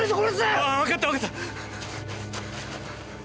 あぁわかったわかった。